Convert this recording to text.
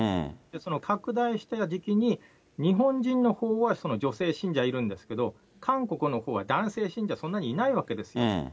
その拡大した時期に、日本人のほうは女性信者いるんですけど、韓国のほうは男性信者、そんなにいないわけですよ。